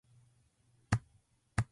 人気者。